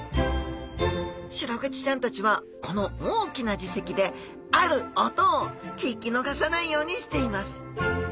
シログチちゃんたちはこの大きな耳石である音を聞き逃さないようにしています